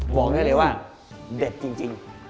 บอกได้เลยว่าเด็ดจริง